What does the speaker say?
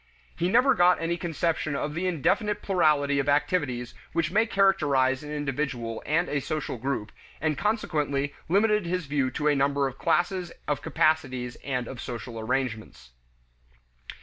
He never got any conception of the indefinite plurality of activities which may characterize an individual and a social group, and consequently limited his view to a limited number of classes of capacities and of social arrangements.